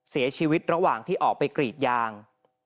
เสียชีวิตระหว่างที่ออกไปกรีดยาง